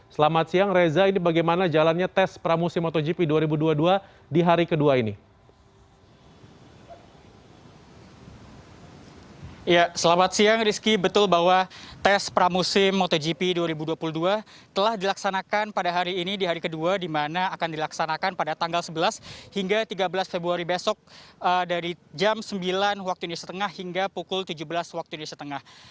selamat siang rizky betul bahwa tes pramusim motogp dua ribu dua puluh dua telah dilaksanakan pada hari ini di hari kedua dimana akan dilaksanakan pada tanggal sebelas hingga tiga belas februari besok dari jam sembilan waktu indonesia tengah hingga pukul tujuh belas waktu indonesia tengah